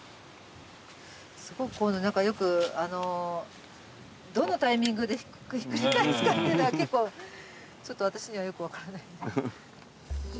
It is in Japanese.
すごくこういうの何かよくあのうどのタイミングでひっくり返すかっていうのは結構ちょっと私にはよく分からない。